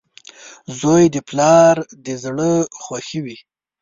• زوی د پلار د زړۀ خوښي وي.